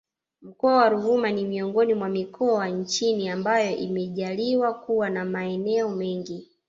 Mkoa wa Ruvuma ni miongoni mwa mikoa nchini ambayo imejaliwa kuwa na maeneo mengi